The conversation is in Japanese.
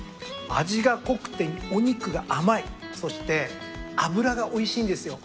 味が濃くてお肉が甘いそして脂がおいしいんですよ。